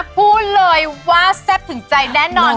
พูดเลยว่าแซ่บถึงใจแน่นอนคุณผู้ชม